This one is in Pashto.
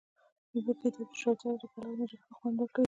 وږي ته، شوتله له پلاو نه ښه خوند ورکوي.